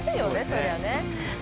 そりゃね。